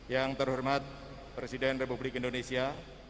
yang terhormat presiden republik indonesia